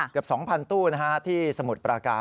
เกือบ๒๐๐ตู้ที่สมุทรปราการ